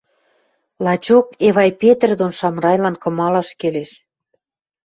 — Лачок, Эвай Петр дон Шамрайлан кымалаш келеш.